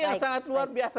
yang sangat luar biasa